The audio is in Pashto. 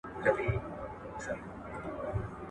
استاد ورته په پوره پاملرني سره غوږ نیسي.